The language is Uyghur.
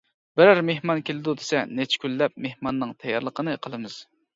بىرەر مېھمان كېلىدۇ دېسە نەچچە كۈنلەپ مېھماننىڭ تەييارلىقىنى قىلىمىز.